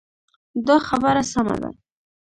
دا خبره سمه ده.